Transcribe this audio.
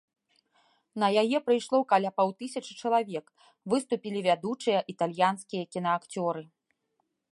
На яе прыйшло каля паўтысячы чалавек, выступілі вядучыя італьянскія кінаакцёры.